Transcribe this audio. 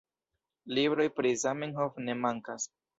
Libroj pri Zamenhof ne mankas.